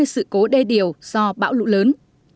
bốn trăm hai mươi sự cố đê điều do bão lũ lớn